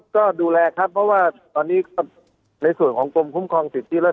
ก็ดูแลครับเพราะว่าตอนนี้ในส่วนของกรมคุ้มครองสิทธิและ